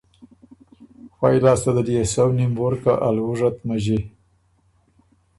فئ لاسته ده ليې سؤنیم وُر که ا لؤُژه ت مݫی۔